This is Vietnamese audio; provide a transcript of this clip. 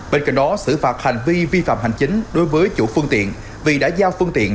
bên cạnh đó xử phạt hành vi vi phạm hành chính đối với chủ phương tiện vì đã giao phương tiện